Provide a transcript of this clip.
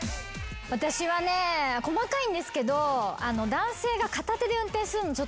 私はね細かいんですけど男性が。